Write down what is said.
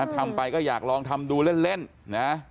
ทำไปก็อยากลองทำดูเล่นนะ